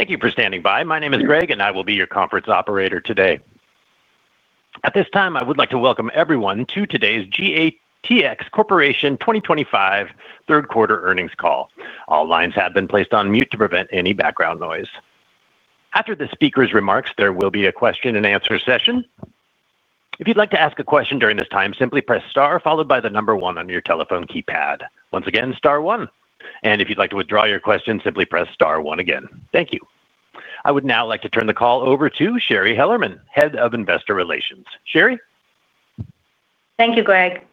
Thank you for standing by. My name is Greg, and I will be your conference operator today. At this time, I would like to welcome everyone to today's GATX Corporation 2025 third quarter earnings call. All lines have been placed on mute to prevent any background noise. After the speaker's remarks, there will be a question and answer session. If you'd like to ask a question during this time, simply press star followed by the number one on your telephone keypad. Once again, star one. If you'd like to withdraw your question, simply press star one again. Thank you. I would now like to turn the call over to Shari Hellerman, Head of Investor Relations. Shari? Thank you, Greg.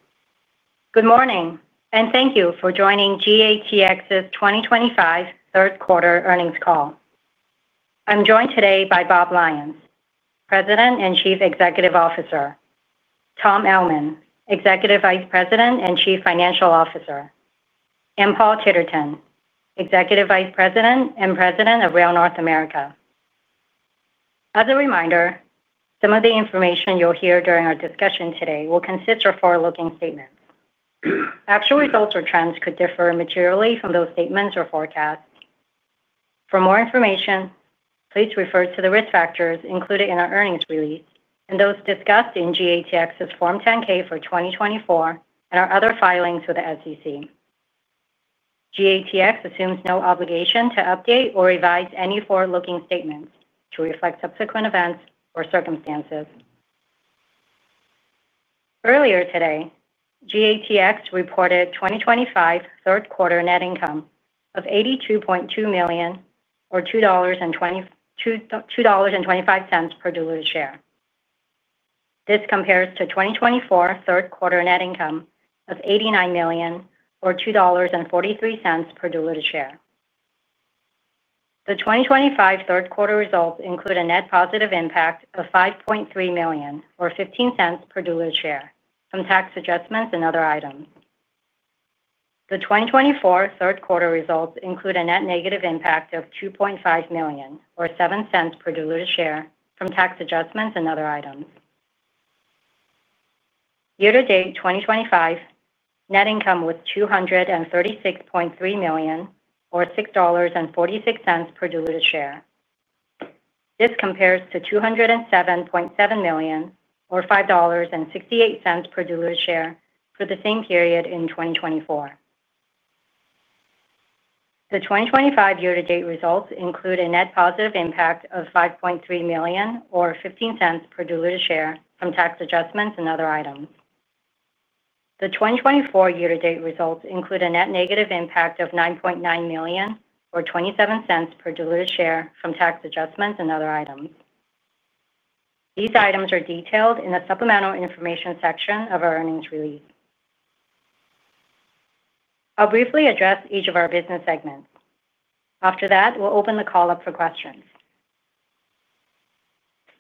Good morning, and thank you for joining GATX's 2025 third quarter earnings call. I'm joined today by Bob Lyons, President and Chief Executive Officer, Tom Ellman, Executive Vice President and Chief Financial Officer, and Paul Titterton, Executive Vice President and President of Rail North America. As a reminder, some of the information you'll hear during our discussion today will consist of forward-looking statements. Actual results or trends could differ materially from those statements or forecasts. For more information, please refer to the risk factors included in our earnings release and those discussed in GATX's Form 10-K for 2024 and our other filings with the SEC. GATX assumes no obligation to update or revise any forward-looking statements to reflect subsequent events or circumstances. Earlier today, GATX reported 2025 third quarter net income of $82.2 million or $2.25 per diluted share. This compares to 2024 third quarter net income of $89 million or $2.43 per diluted share. The 2025 third quarter results include a net positive impact of $5.3 million or $0.15 per diluted share from tax adjustments and other items. The 2024 third quarter results include a net negative impact of $2.5 million or $0.07 per diluted share from tax adjustments and other items. Year-to-date 2025 net income was $236.3 million or $6.46 per diluted share. This compares to $207.7 million or $5.68 per diluted share for the same period in 2024. The 2025 year-to-date results include a net positive impact of $5.3 million or $0.15 per diluted share from tax adjustments and other items. The 2024 year-to-date results include a net negative impact of $9.9 million or $0.27 per diluted share from tax adjustments and other items. These items are detailed in the supplemental information section of our earnings release. I'll briefly address each of our business segments. After that, we'll open the call up for questions.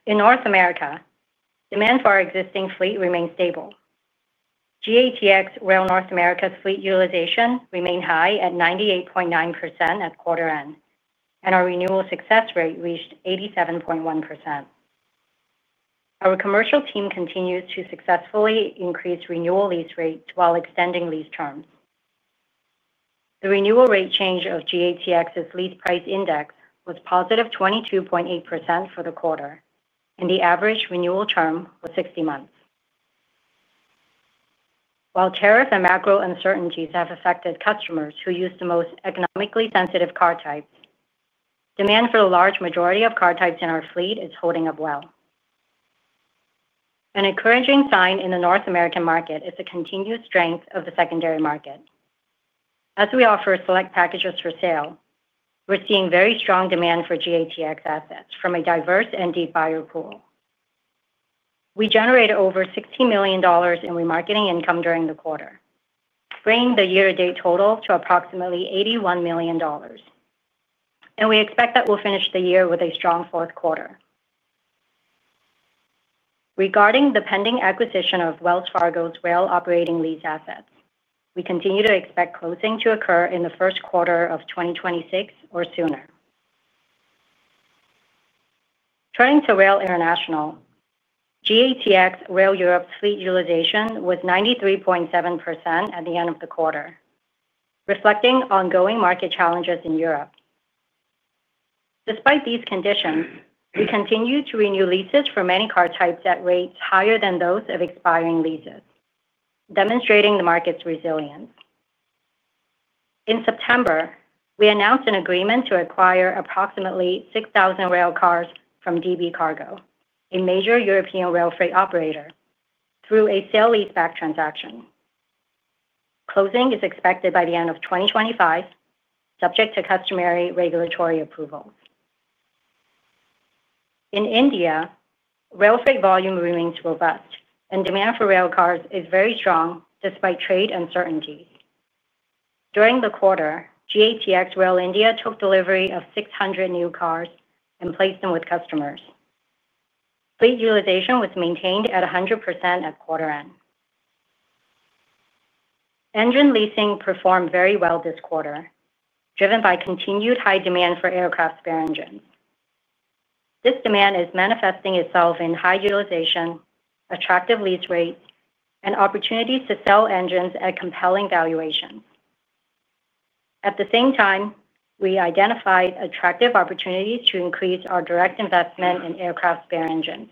In North America, demand for our existing fleet remains stable. GATX Rail North America's fleet utilization remained high at 98.9% at quarter end, and our renewal success rate reached 87.1%. Our commercial team continues to successfully increase renewal lease rates while extending lease terms. The renewal rate change of GATX's lease price index was positive 22.8% for the quarter, and the average renewal term was 60 months. While tariffs and macro uncertainties have affected customers who use the most economically sensitive car types, demand for the large majority of car types in our fleet is holding up well. An encouraging sign in the North American market is the continued strength of the secondary market. As we offer select packages for sale, we're seeing very strong demand for GATX assets from a diverse and deep buyer pool. We generated over $60 million in remarketing income during the quarter, bringing the year-to-date total to approximately $81 million, and we expect that we'll finish the year with a strong fourth quarter. Regarding the pending acquisition of Wells Fargo's rail operating lease assets, we continue to expect closing to occur in the first quarter of 2026 or sooner. Turning to Rail International, GATX Rail Europe's fleet utilization was 93.7% at the end of the quarter, reflecting ongoing market challenges in Europe. Despite these conditions, we continue to renew leases for many car types at rates higher than those of expiring leases, demonstrating the market's resilience. In September, we announced an agreement to acquire approximately 6,000 railcars from DB Cargo, a major European rail freight operator, through a sale-leaseback transaction. Closing is expected by the end of 2025, subject to customary regulatory approvals. In India, rail freight volume remains robust, and demand for railcars is very strong despite trade uncertainties. During the quarter, GATX Rail India took delivery of 600 new cars and placed them with customers. Fleet utilization was maintained at 100% at quarter end. Engine leasing performed very well this quarter, driven by continued high demand for aircraft spare engines. This demand is manifesting itself in high utilization, attractive lease rates, and opportunities to sell engines at compelling valuations. At the same time, we identified attractive opportunities to increase our direct investment in aircraft spare engines,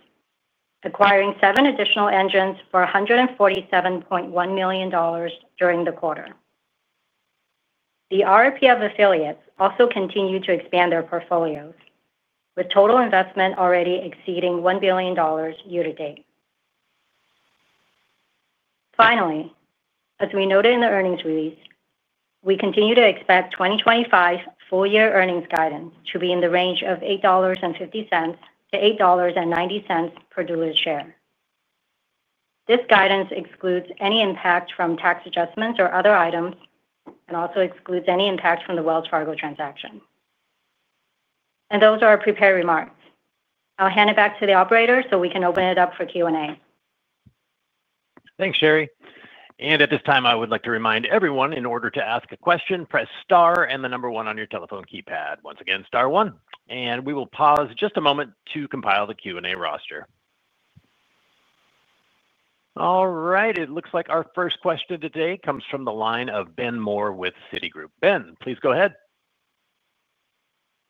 acquiring seven additional engines for $147.1 million during the quarter. The RRPF affiliates also continued to expand their portfolios, with total investment already exceeding $1 billion year-to-date. Finally, as we noted in the earnings release, we continue to expect 2025 full-year earnings guidance to be in the range of $8.50-$8.90 per diluted share. This guidance excludes any impact from tax adjustments or other items and also excludes any impact from the Wells Fargo transaction. Those are our prepared remarks. I'll hand it back to the operator so we can open it up for Q&A. Thanks, Shari. At this time, I would like to remind everyone, in order to ask a question, press star and the number one on your telephone keypad. Once again, star one. We will pause just a moment to compile the Q&A roster. It looks like our first question of the day comes from the line of Ben Moore with Citigroup. Ben, please go ahead.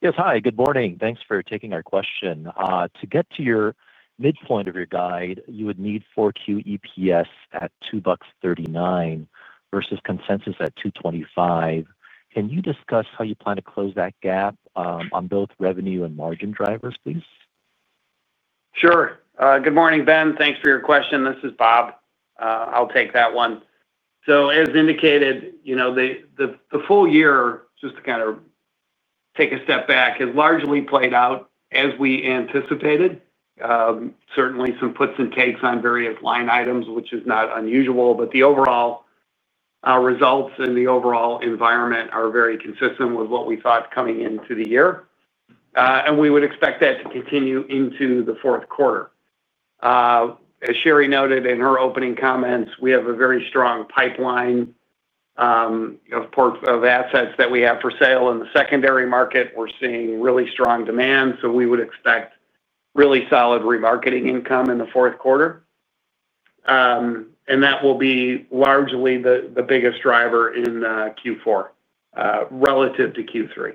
Yes, hi, good morning. Thanks for taking our question. To get to your midpoint of your guide, you would need 4Q EPS at $2.39 versus consensus at $2.25. Can you discuss how you plan to close that gap on both revenue and margin drivers, please? Good morning, Ben. Thanks for your question. This is Bob. I'll take that one. As indicated, you know, the full year, just to kind of take a step back, has largely played out as we anticipated. Certainly, some puts and takes on various line items, which is not unusual, but the overall results and the overall environment are very consistent with what we thought coming into the year. We would expect that to continue into the fourth quarter. As Shari noted in her opening comments, we have a very strong pipeline of assets that we have for sale in the secondary market. We're seeing really strong demand, so we would expect really solid remarketing income in the fourth quarter. That will be largely the biggest driver in Q4 relative to Q3.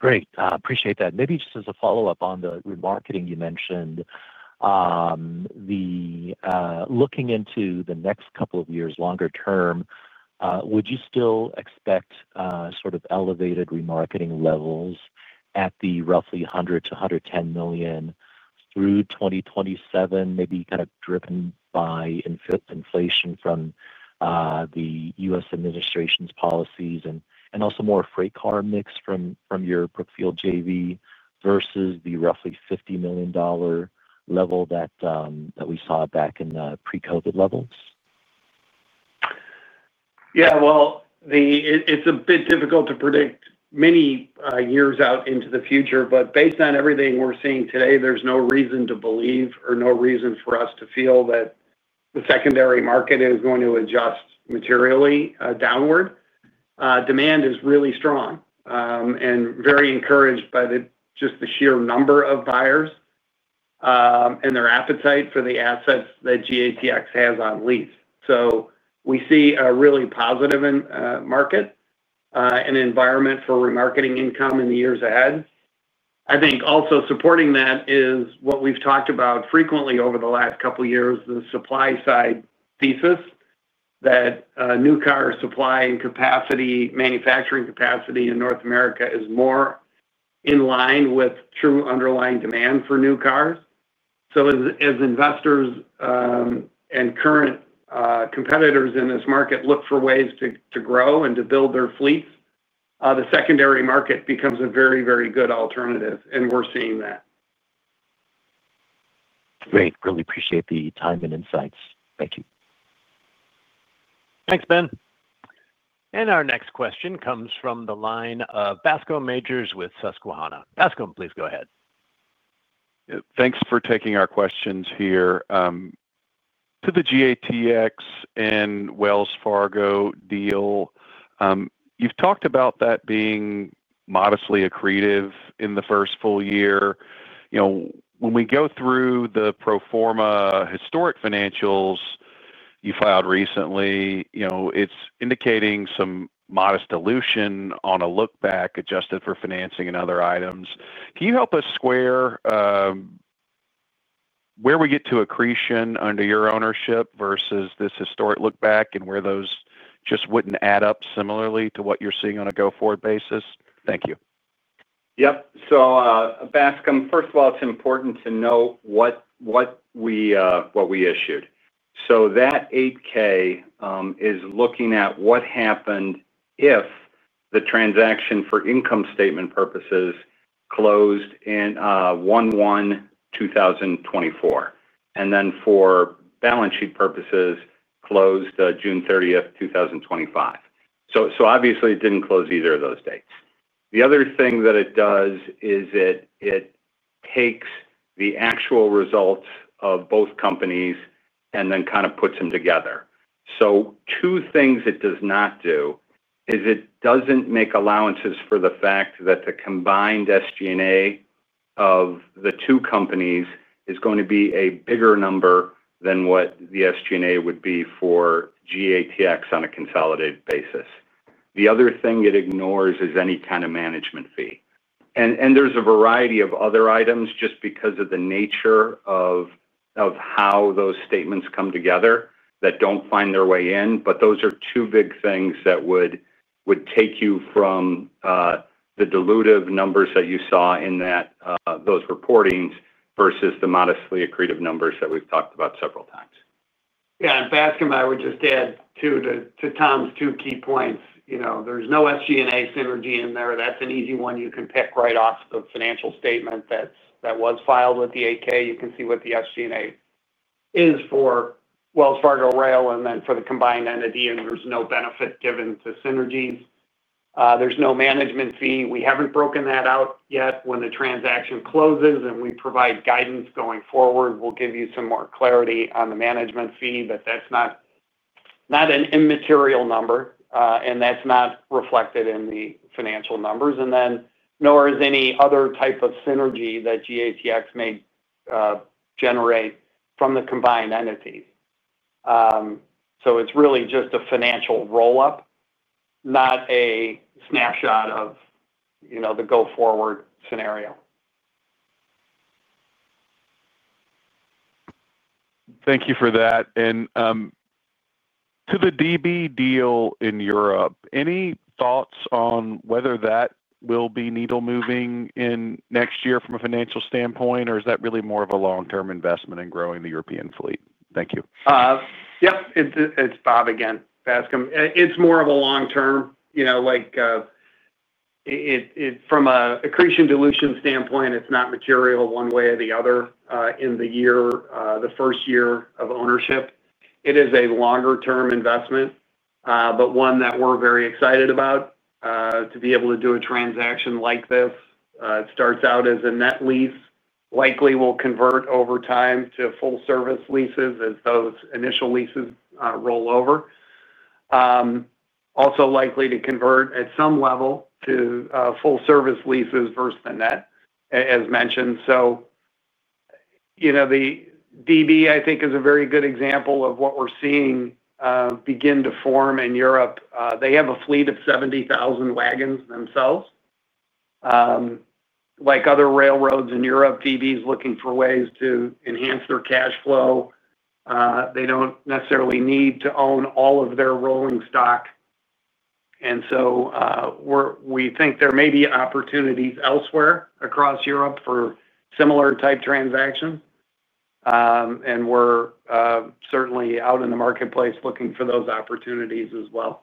Great. I appreciate that. Maybe just as a follow-up on the remarketing you mentioned, looking into the next couple of years, longer term, would you still expect sort of elevated remarketing levels at the roughly $100million-$110 million through 2027, maybe kind of driven by inflation from the U.S. administration's policies and also more freight car mix from your Brookfield JV versus the roughly $50 million level that we saw back in pre-COVID levels? Yeah, well it's a bit difficult to predict many years out into the future, but based on everything we're seeing today, there's no reason to believe or no reason for us to feel that the secondary market is going to adjust materially downward. Demand is really strong and very encouraged by just the sheer number of buyers and their appetite for the assets that GATX has on lease. We see a really positive market and environment for remarketing income in the years ahead. I think also supporting that is what we've talked about frequently over the last couple of years, the supply side thesis, that new car supply and capacity, manufacturing capacity in North America is more in line with true underlying demand for new cars. As investors and current competitors in this market look for ways to grow and to build their fleets, the secondary market becomes a very, very good alternative, and we're seeing that. Great. Really appreciate the time and insights. Thank you. Thanks, Ben. Our next question comes from the line of Bascome Majors with Susquehanna. Bascome, please go ahead. Thanks for taking our questions here. To the GATX and Wells Fargo deal, you've talked about that being modestly accretive in the first full year. When we go through the pro forma historic financials you filed recently, it's indicating some modest dilution on a look-back adjusted for financing and other items. Can you help us square where we get to accretion under your ownership versus this historic look-back and where those just wouldn't add up similarly to what you're seeing on a go-forward basis? Thank you. Yep. Bascome, first of all, it's important to note what we issued. That 8K is looking at what happened if the transaction for income statement purposes closed on 1/1/2024, and then for balance sheet purposes closed June 30th, 2025. Obviously, it didn't close on either of those dates. The other thing that it does is it takes the actual results of both companies and then kind of puts them together. Two things it does not do are it doesn't make allowances for the fact that the combined SG&A of the two companies is going to be a bigger number than what the SG&A would be for GATX on a consolidated basis. The other thing it ignores is any kind of management fee. There are a variety of other items just because of the nature of how those statements come together that don't find their way in, but those are two big things that would take you from the dilutive numbers that you saw in those reportings versus the modestly accretive numbers that we've talked about several times. Bascome, I would just add to Tom's two key points. There's no SG&A synergy in there. That's an easy one you can pick right off the financial statement that was filed with the 8K. You can see what the SG&A is for Wells Fargo Rail and then for the combined entity, and there's no benefit given to synergies. There's no management fee. We haven't broken that out yet. When the transaction closes and we provide guidance going forward, we'll give you some more clarity on the management fee, but that's not an immaterial number, and that's not reflected in the financial numbers. Nor is any other type of synergy that GATX may generate from the combined entity. It's really just a financial roll-up, not a snapshot of the go-forward scenario. Thank you for that. Regarding the DB Cargo deal in Europe, any thoughts on whether that will be needle-moving next year from a financial standpoint, or is that really more of a long-term investment in growing the European fleet? Thank you. Yep, it's Bob again, Bascome. It's more of a long-term, you know, like from an accretion-dilution standpoint, it's not material one way or the other in the year, the first year of ownership. It is a longer-term investment, but one that we're very excited about to be able to do a transaction like this. It starts out as a net lease, likely will convert over time to full-service leases as those initial leases roll over. Also likely to convert at some level to full-service leases versus the net, as mentioned. The DB, I think, is a very good example of what we're seeing begin to form in Europe. They have a fleet of 70,000 wagons themselves. Like other railroads in Europe, DB is looking for ways to enhance their cash flow. They don't necessarily need to own all of their rolling stock. We think there may be opportunities elsewhere across Europe for similar type transactions. We're certainly out in the marketplace looking for those opportunities as well.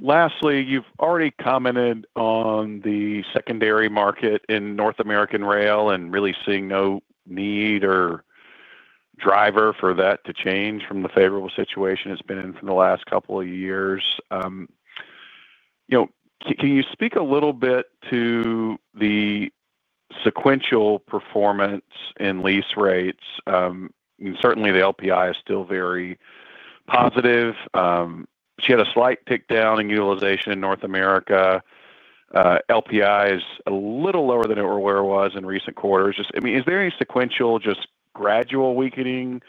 Lastly, you've already commented on the secondary market in North American rail and really seeing no need or driver for that to change from the favorable situation it's been in for the last couple of years. You know, can you speak a little bit to the sequential performance in lease rates? I mean, certainly, the lease price index is still very positive. She had a slight tick down in utilization in North America. The lease price index is a little lower than it was in recent quarters. Just, I mean, is there any sequential just gradual weakening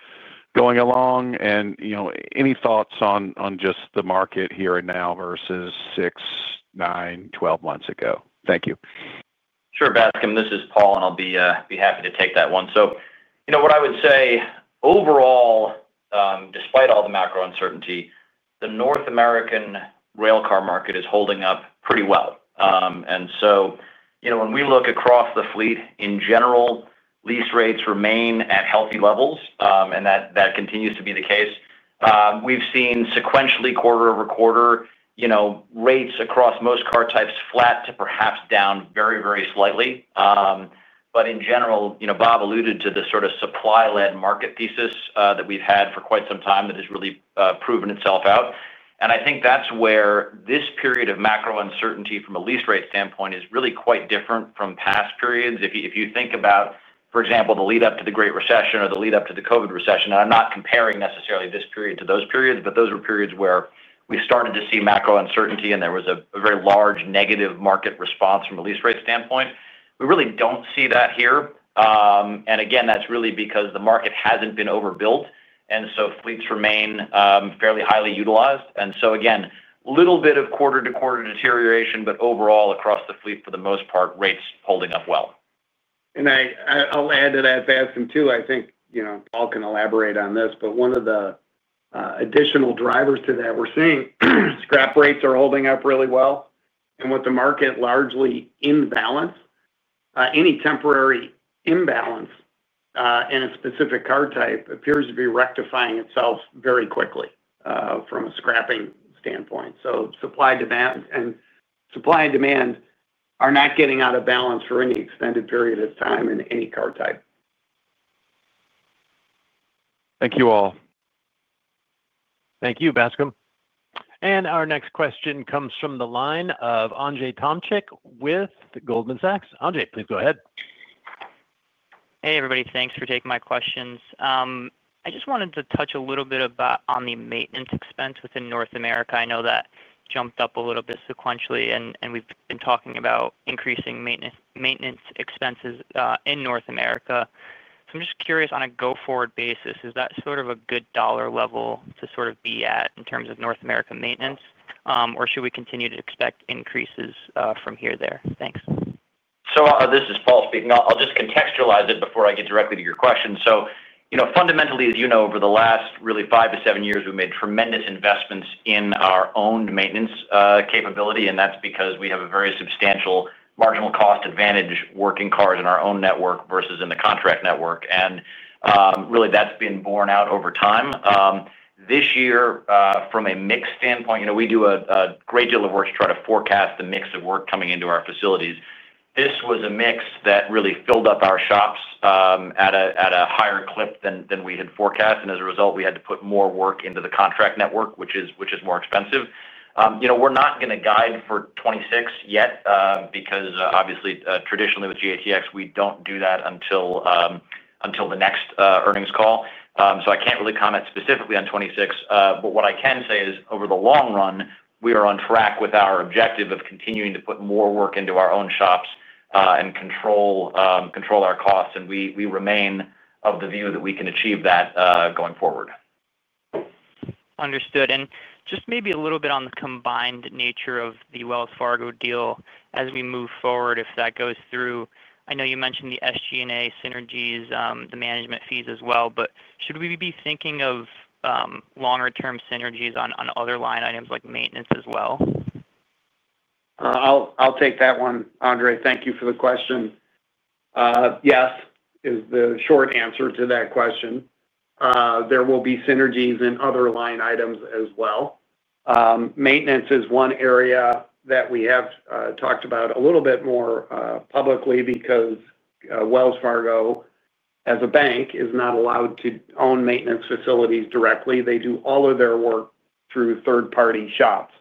going along? You know, any thoughts on just the market here and now versus six, nine, 12 months ago? Thank you. Sure, Bascome. This is Paul, and I'll be happy to take that one. What I would say overall, despite all the macro uncertainty, the North American railcar market is holding up pretty well. When we look across the fleet in general, lease rates remain at healthy levels, and that continues to be the case. We've seen sequentially, quarter over quarter, rates across most car types flat to perhaps down very, very slightly. In general, Bob alluded to the sort of supply-led market thesis that we've had for quite some time that has really proven itself out. I think that's where this period of macro uncertainty from a lease rate standpoint is really quite different from past periods. If you think about, for example, the lead-up to the Great Recession or the lead-up to the COVID recession, and I'm not comparing necessarily this period to those periods, but those were periods where we started to see macro uncertainty and there was a very large negative market response from a lease rate standpoint. We really don't see that here. That's really because the market hasn't been overbuilt. Fleets remain fairly highly utilized. Again, a little bit of quarter-to-quarter deterioration, but overall across the fleet, for the most part, rates holding up well. I'll add to that, Bascome, too. I think, you know, Paul can elaborate on this, but one of the additional drivers to that we're seeing, scrap rates are holding up really well. With the market largely in balance, any temporary imbalance in a specific car type appears to be rectifying itself very quickly from a scrapping standpoint. Supply and demand are not getting out of balance for any extended period of time in any car type. Thank you all. Thank you, Bascome. Our next question comes from the line of Andrzej Tomczyk with Goldman Sachs. Andrzej, please go ahead. Hey everybody, thanks for taking my questions. I just wanted to touch a little bit on the maintenance expense within North America. I know that jumped up a little bit sequentially, and we've been talking about increasing maintenance expenses in North America. I'm just curious, on a go-forward basis, is that sort of a good dollar level to be at in terms of North America maintenance, or should we continue to expect increases from here? Thanks. This is Paul speaking. I'll just contextualize it before I get directly to your question. Fundamentally, as you know, over the last really five to seven years, we made tremendous investments in our own maintenance capability, and that's because we have a very substantial marginal cost advantage working cars in our own network versus in the contract network. That's been borne out over time. This year, from a mix standpoint, we do a great deal of work to try to forecast the mix of work coming into our facilities. This was a mix that really filled up our shops at a higher clip than we had forecast. As a result, we had to put more work into the contract network, which is more expensive. We're not going to guide for 2026 yet because obviously, traditionally with GATX, we don't do that until the next earnings call. I can't really comment specifically on 2026. What I can say is over the long run, we are on track with our objective of continuing to put more work into our own shops and control our costs. We remain of the view that we can achieve that going forward. Understood. Maybe a little bit on the combined nature of the Wells Fargo deal as we move forward, if that goes through. I know you mentioned the SG&A synergies, the management fees as well, but should we be thinking of longer-term synergies on other line items like maintenance as well? I'll take that one. Andrzej, thank you for the question. Yes, is the short answer to that question. There will be synergies in other line items as well. Maintenance is one area that we have talked about a little bit more publicly because Wells Fargo, as a bank, is not allowed to own maintenance facilities directly. They do all of their work through third-party shops.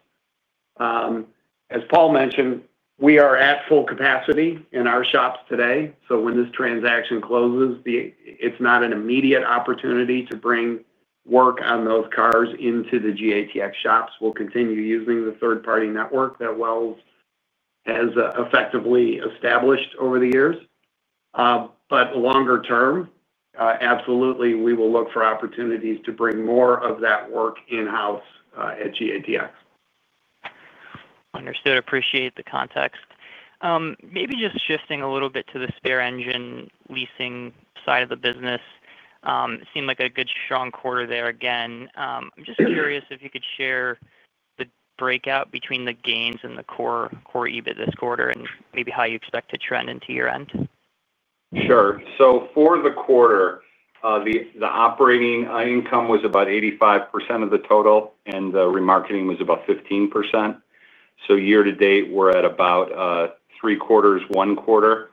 As Paul mentioned, we are at full capacity in our shops today. When this transaction closes, it's not an immediate opportunity to bring work on those cars into the GATX shops. We'll continue using the third-party network that Wells has effectively established over the years. Longer term, absolutely, we will look for opportunities to bring more of that work in-house at GATX. Understood. Appreciate the context. Maybe just shifting a little bit to the spare engine leasing side of the business. It seemed like a good strong quarter there again. I'm just curious if you could share the breakout between the gains and the core EBIT this quarter, and maybe how you expect to trend into year-end. Sure. For the quarter, the operating income was about 85% of the total, and the remarketing was about 15%. Year-to-date, we're at about three quarters, one quarter.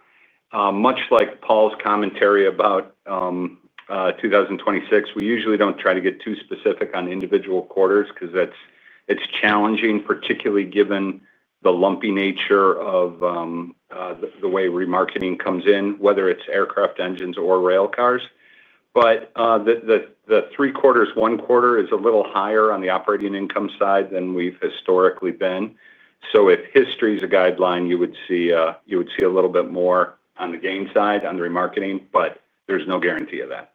Much like Paul's commentary about 2026, we usually don't try to get too specific on individual quarters because it's challenging, particularly given the lumpy nature of the way remarketing comes in, whether it's aircraft engines or railcars. The three quarters, one quarter is a little higher on the operating income side than we've historically been. If history is a guideline, you would see a little bit more on the gain side on the remarketing, but there's no guarantee of that.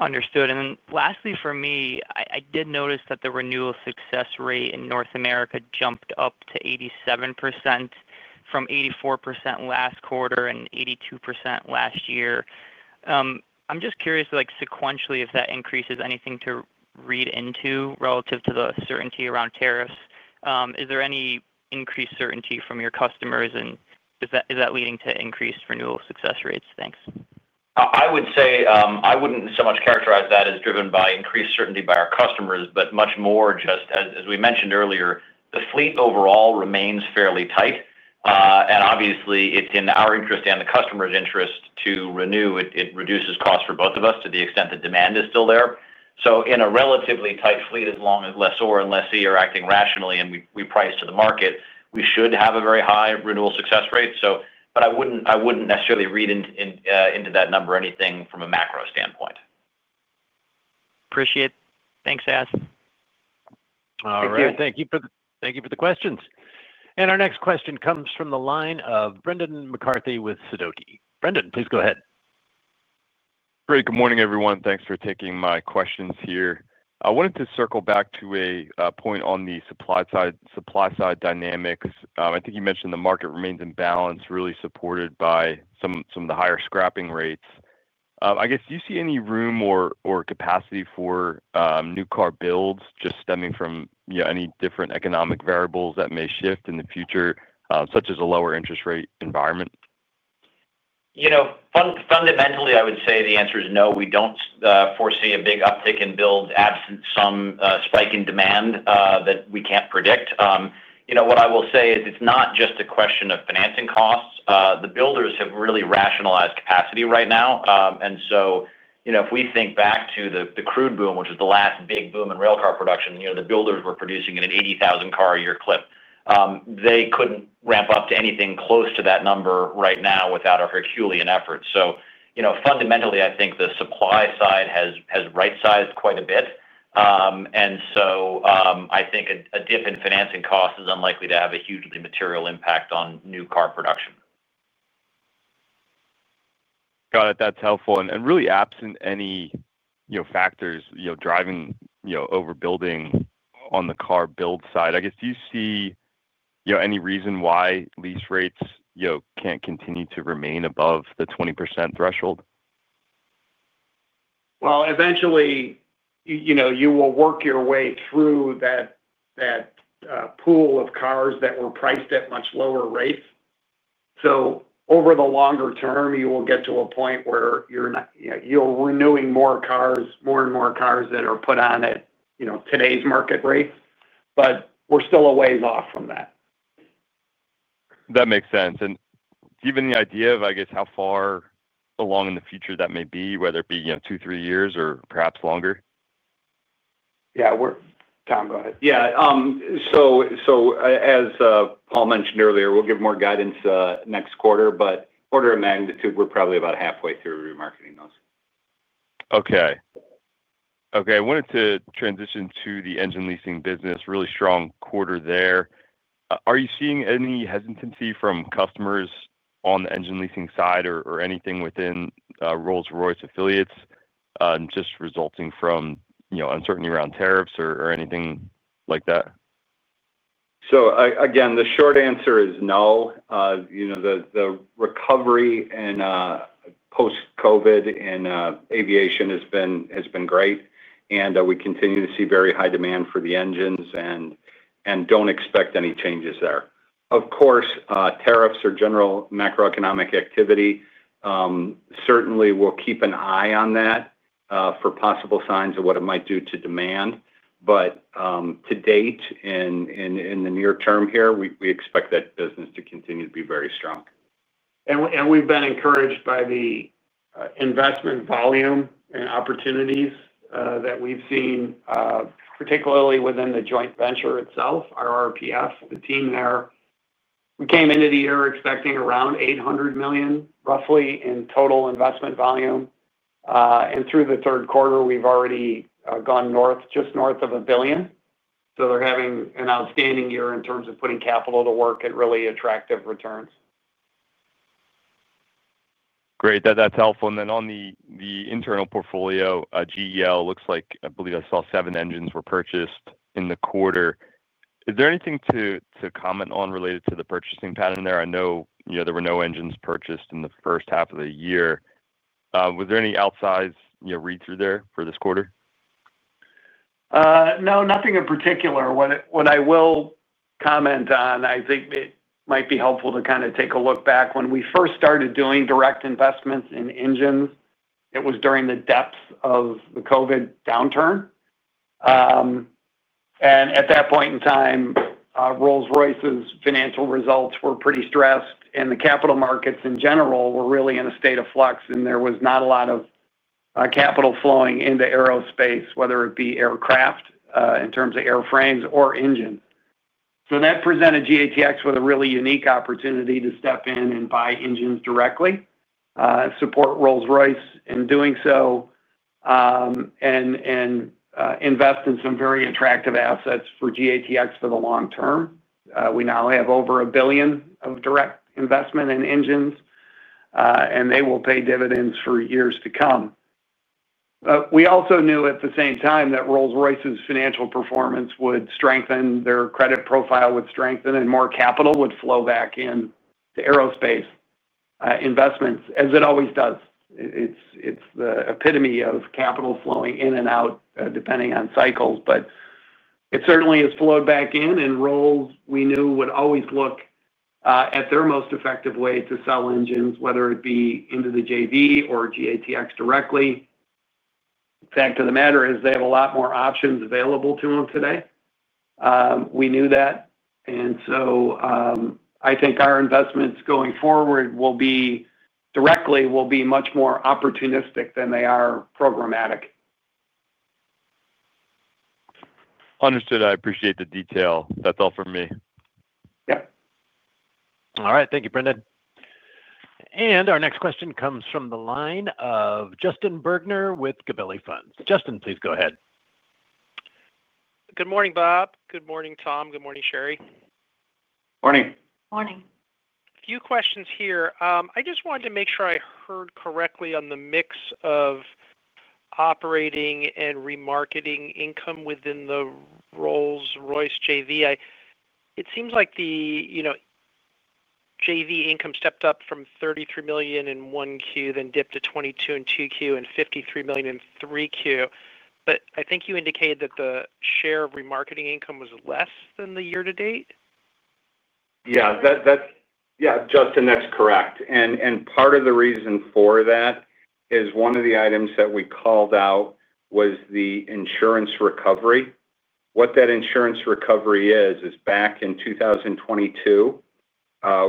Understood. Lastly for me, I did notice that the renewal success rate in North America jumped up to 87% from 84% last quarter and 82% last year. I'm just curious if that increases anything to read into relative to the certainty around tariffs. Is there any increased certainty from your customers, and is that leading to increased renewal success rates? Thanks. I would say I wouldn't so much characterize that as driven by increased certainty by our customers, but much more just as we mentioned earlier, the fleet overall remains fairly tight. Obviously, it's in our interest and the customer's interest to renew. It reduces costs for both of us to the extent that demand is still there. In a relatively tight fleet, as long as less O and less C are acting rationally and we price to the market, we should have a very high renewal success rate. I wouldn't necessarily read into that number or anything from a macro standpoint. Appreciate it. Thanks, all. All right. Thank you for the questions. Our next question comes from the line of Brendan McCarthy with Susquehanna. Brendan, please go ahead. Great. Good morning, everyone. Thanks for taking my questions here. I wanted to circle back to a point on the supply side dynamics. I think you mentioned the market remains in balance, really supported by some of the higher scrapping rates. I guess, do you see any room or capacity for new car builds just stemming from any different economic variables that may shift in the future, such as a lower interest rate environment? Fundamentally, I would say the answer is no. We don't foresee a big uptick in builds absent some spike in demand that we can't predict. What I will say is it's not just a question of financing costs. The builders have really rationalized capacity right now. If we think back to the crude boom, which was the last big boom in railcar production, the builders were producing at an 80,000 car a year clip. They couldn't ramp up to anything close to that number right now without a Herculean effort. Fundamentally, I think the supply side has right-sized quite a bit. I think a dip in financing costs is unlikely to have a hugely material impact on new car production. Got it. That's helpful. Really, absent any factors driving overbuilding on the car build side, do you see any reason why lease rates can't continue to remain above the 20% threshold? Eventually, you know, you will work your way through that pool of cars that were priced at much lower rates. Over the longer term, you will get to a point where you're not, you know, you're renewing more cars, more and more cars that are put on at, you know, today's market rate. We're still a ways off from that. That makes sense. Do you have any idea of how far along in the future that may be, whether it be two, three years, or perhaps longer? Yeah, Tom, go ahead. As Paul mentioned earlier, we'll give more guidance next quarter, but order of magnitude, we're probably about halfway through remarketing those. Okay. I wanted to transition to the engine leasing business. Really strong quarter there. Are you seeing any hesitancy from customers on the engine leasing side or anything within Rolls-Royce and Partners Finance affiliates, just resulting from uncertainty around tariffs or anything like that? The short answer is no. The recovery and post-COVID in aviation has been great. We continue to see very high demand for the engines and don't expect any changes there. Of course, tariffs or general macroeconomic activity certainly will keep an eye on that for possible signs of what it might do to demand. To date, in the near term here, we expect that business to continue to be very strong. We've been encouraged by the investment volume and opportunities that we've seen, particularly within the joint venture itself, Rolls-Royce and Partners Finance, the team there. We came into the year expecting around $800 million, roughly, in total investment volume. Through the third quarter, we've already gone just north of $1 billion. They're having an outstanding year in terms of putting capital to work at really attractive returns. Great. That's helpful. On the internal portfolio, GEL looks like, I believe I saw seven engines were purchased in the quarter. Is there anything to comment on related to the purchasing pattern there? I know there were no engines purchased in the first half of the year. Was there any outsized read-through there for this quarter? No, nothing in particular. What I will comment on, I think it might be helpful to kind of take a look back. When we first started doing direct investments in engines, it was during the depths of the COVID downturn. At that point in time, Rolls-Royce's financial results were pretty stressed, and the capital markets in general were really in a state of flux, and there was not a lot of capital flowing into aerospace, whether it be aircraft in terms of airframes or engines. That presented GATX with a really unique opportunity to step in and buy engines directly, support Rolls-Royce in doing so, and invest in some very attractive assets for GATX for the long term. We now have over $1 billion of direct investment in engines, and they will pay dividends for years to come. We also knew at the same time that Rolls-Royce's financial performance would strengthen, their credit profile would strengthen, and more capital would flow back into aerospace investments, as it always does. It is the epitome of capital flowing in and out depending on cycles. It certainly has flowed back in, and Rolls-Royce, we knew, would always look at their most effective way to sell engines, whether it be into the JV or GATX directly. The fact of the matter is they have a lot more options available to them today. We knew that. I think our investments going forward will be directly much more opportunistic than they are programmatic. Understood. I appreciate the detail. That's all from me. Yep. All right. Thank you, Brendan. Our next question comes from the line of Justin Bergner with Gabelli Funds. Justin, please go ahead. Good morning, Bob. Good morning, Tom. Good morning, Shari. Morning. Morning. A few questions here. I just wanted to make sure I heard correctly on the mix of operating and remarketing income within the Rolls-Royce and Partners Finance JV. It seems like the JV income stepped up from $33 million in Q1, then dipped to $22 million in Q2 and $53 million in Q3. I think you indicated that the share of remarketing income was less than the year-to-date. Yeah, Justin, that's correct. Part of the reason for that is one of the items that we called out was the insurance recovery. What that insurance recovery is, is back in 2022,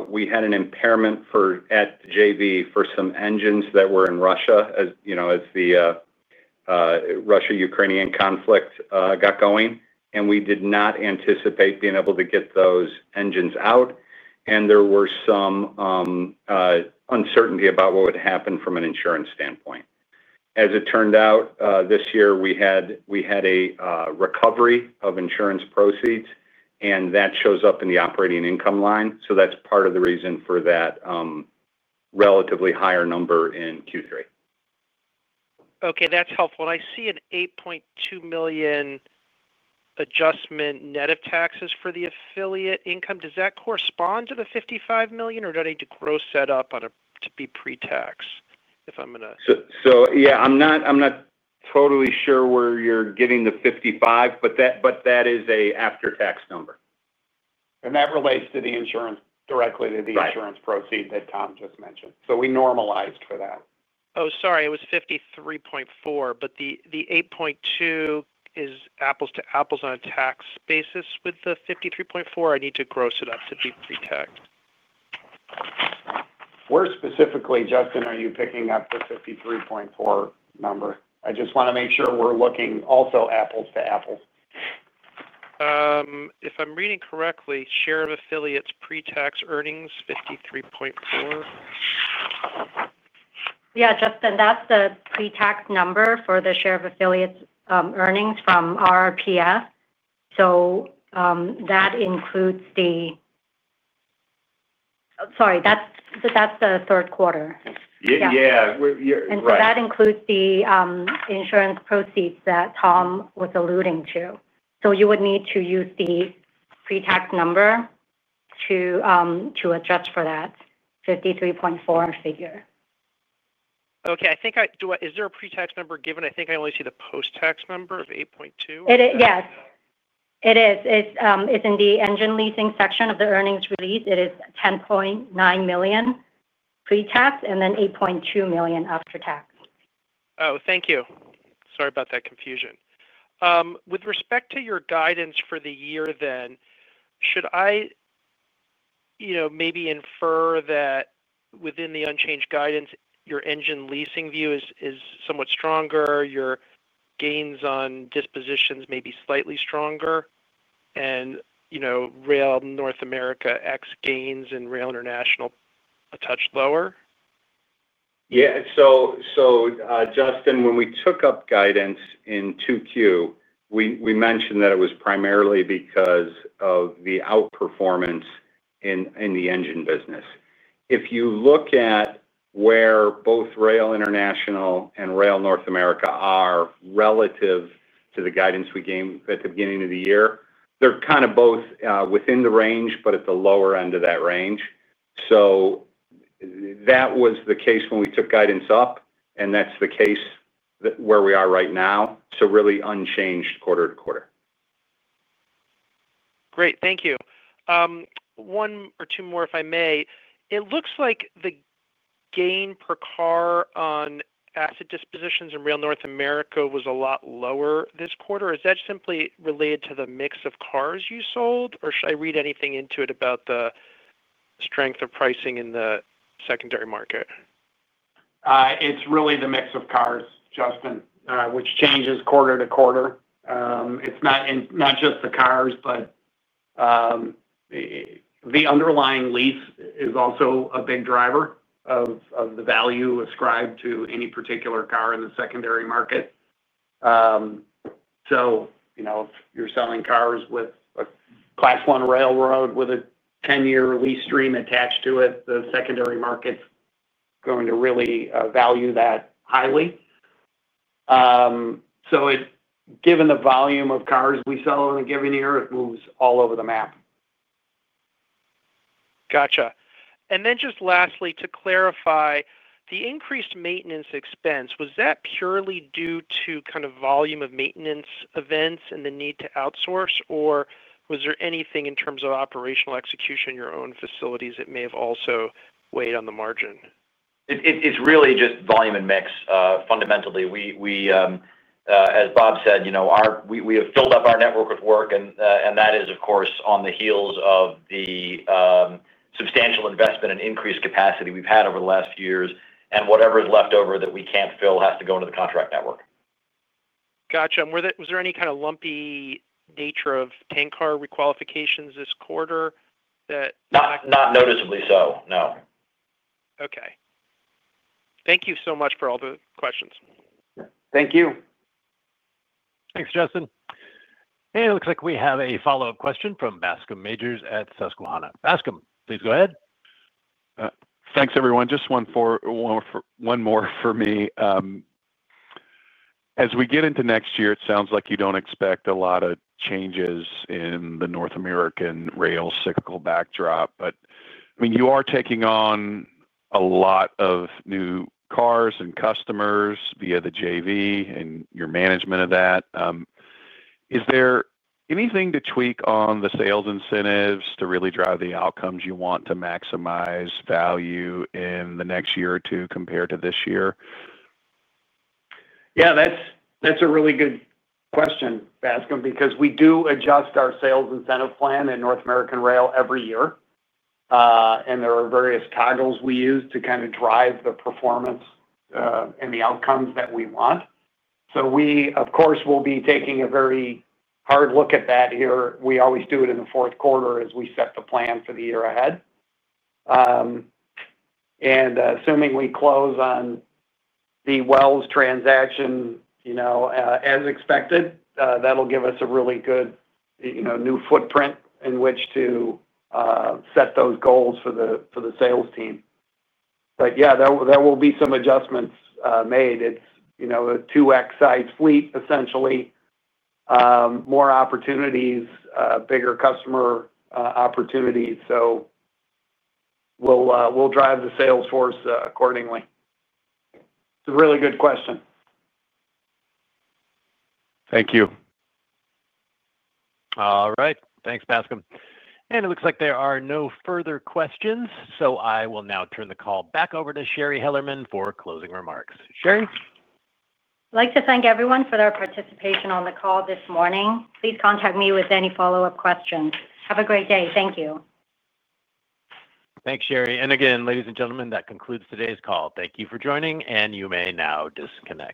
we had an impairment at the JV for some engines that were in Russia, as you know, as the Russia-Ukrainian conflict got going. We did not anticipate being able to get those engines out, and there was some uncertainty about what would happen from an insurance standpoint. As it turned out, this year, we had a recovery of insurance proceeds, and that shows up in the operating income line. That's part of the reason for that relatively higher number in Q3. Okay, that's helpful. I see an $8.2 million adjustment net of taxes for the affiliate income. Does that correspond to the $55 million, or do I need to gross that up to be pre-tax? I'm not totally sure where you're getting the $55, but that is an after-tax number. That relates directly to the insurance proceed that Tom just mentioned. We normalized for that. Sorry, it was $53.4. The $8.2 is apples to apples on a tax basis with the $53.4? I need to gross it up to be pre-taxed. Where specifically, Justin, are you picking up the $53.4 number? I just want to make sure we're looking also apples to apples. If I'm reading correctly, share of affiliates pre-tax earnings is $53.4 million. Yeah, Justin, that's the pre-tax number for the share of affiliates' earnings from RRPF. That includes the, sorry, that's the third quarter. Yeah, you're right. That includes the insurance proceeds that Tom was alluding to. You would need to use the pre-tax number to adjust for that $53.4 million figure. Okay, is there a pre-tax number given? I think I only see the post-tax number of $8.2. Yes, it is. It's in the engine leasing section of the earnings release. It is $10.9 million pre-tax and then $8.2 million after-tax. Thank you. Sorry about that confusion. With respect to your guidance for the year, should I maybe infer that within the unchanged guidance, your engine leasing view is somewhat stronger, your gains on dispositions may be slightly stronger, and Rail North America X gains and Rail International a touch lower? Yeah, so Justin, when we took up guidance in 2Q, we mentioned that it was primarily because of the outperformance in the engine business. If you look at where both Rail International and Rail North America are relative to the guidance we gave at the beginning of the year, they're kind of both within the range, but at the lower end of that range. That was the case when we took guidance up, and that's the case where we are right now. Really unchanged quarter to quarter. Great, thank you. One or two more, if I may. It looks like the gain per car on asset dispositions in Rail North America was a lot lower this quarter. Is that simply related to the mix of cars you sold, or should I read anything into it about the strength of pricing in the secondary market? It's really the mix of cars, Justin, which changes quarter to quarter. It's not just the cars, but the underlying lease is also a big driver of the value ascribed to any particular car in the secondary market. If you're selling cars with a Class one railroad with a 10-year lease stream attached to it, the secondary market's going to really value that highly. Given the volume of cars we sell in a given year, it moves all over the map. Gotcha. Lastly, to clarify, the increased maintenance expense, was that purely due to kind of volume of maintenance events and the need to outsource, or was there anything in terms of operational execution in your own facilities that may have also weighed on the margin? It's really just volume and mix. Fundamentally, we, as Bob said, you know, we have filled up our network with work, and that is, of course, on the heels of the substantial investment and increased capacity we've had over the last few years. Whatever is left over that we can't fill has to go into the contract network. Was there any kind of lumpy nature of tank car requalifications this quarter? Not noticeably so, no. Okay, thank you so much for all the questions. Thank you. Thanks, Justin. It looks like we have a follow-up question from Bascome Majors at Susquehanna. Bascome, please go ahead. Thanks, everyone. Just one more for me. As we get into next year, it sounds like you don't expect a lot of changes in the North American rail cyclical backdrop. I mean, you are taking on a lot of new cars and customers via the JV and your management of that. Is there anything to tweak on the sales incentives to really drive the outcomes you want to maximize value in the next year or two compared to this year? Yeah, that's a really good question, Bascome, because we do adjust our sales incentive plan in North American Rail every year. There are various toggles we use to kind of drive the performance and the outcomes that we want. We, of course, will be taking a very hard look at that here. We always do it in the fourth quarter as we set the plan for the year ahead. Assuming we close on the Wells Fargo transaction as expected, that'll give us a really good new footprint in which to set those goals for the sales team. There will be some adjustments made. It's a 2X size fleet, essentially, more opportunities, bigger customer opportunities. We'll drive the sales force accordingly. It's a really good question. Thank you. All right. Thanks, Bascome. It looks like there are no further questions. I will now turn the call back over to Shari Hellerman for closing remarks. Shari? I'd like to thank everyone for their participation on the call this morning. Please contact me with any follow-up questions. Have a great day. Thank you. Thanks, Shari. Ladies and gentlemen, that concludes today's call. Thank you for joining, and you may now disconnect.